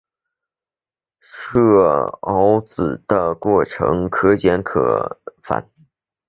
设鏊子的过程可简可繁。